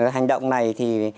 hành động này thì